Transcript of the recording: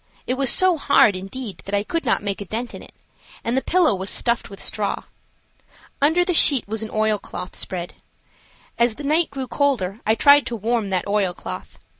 It was so hard, indeed, that I could not make a dent in it; and the pillow was stuffed with straw. Under the sheet was an oilcloth spread. As the night grew colder I tried to warm that oilcloth.